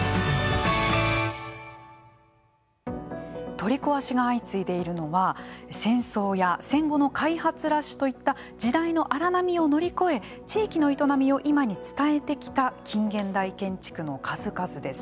取り壊しが相次いでいるのは戦争や戦後の開発ラッシュといった時代の荒波を乗り越え地域の営みを今に伝えてきた近現代建築の数々です。